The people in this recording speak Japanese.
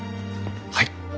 はい。